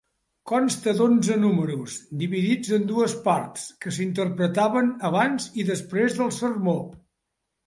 Consta d'onze números, dividits en dues parts, que s'interpretaven abans i després del sermó.